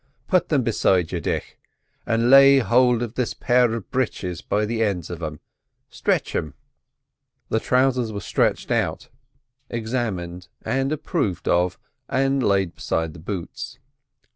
Put them beside you, Dick, and lay hold of this pair of britches by the ends of em'—stritch them." The trousers were stretched out, examined and approved of, and laid beside the boots.